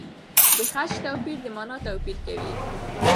د خج توپیر د مانا توپیر کوي.